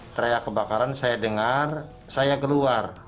teriak kebakaran saya dengar saya keluar